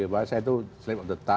saya itu selip untuk tan